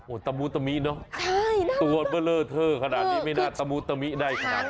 ตะมูตะมิเนอะตัวเบอร์เลอร์เทอร์ขนาดนี้ไม่น่าตะมูตะมิได้ขนาดนี้